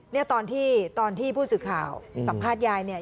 เนี่ยตอนที่ตอนที่ผู้สื่อข่าวสัมภาษณ์ยายเนี่ย